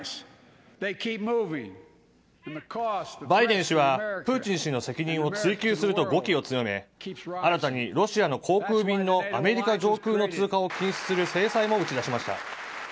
バイデン氏はプーチン氏の責任を追及すると語気を強め、新たにロシアの航空便のアメリカ上空の通過を禁止する制裁も打ち出しました。